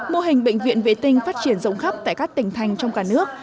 mô hình bệnh viện vệ tinh phát triển rộng khắp tại các tỉnh thành trong cả nước